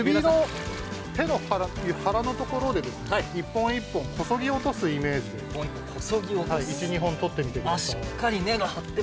手のはらのところで一本一本こそぎ落とすイメージでとってみてください。